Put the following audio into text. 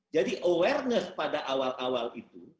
jadi awareness pada awal awal itu